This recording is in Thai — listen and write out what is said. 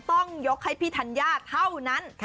ต้องยกให้พี่ธัญญาเท่านั้น